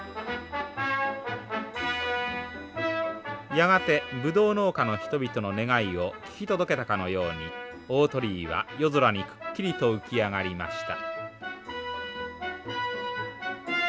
やがてブドウ農家の人々の願いを聞き届けたかのように大鳥居は夜空にくっきりと浮き上がりました。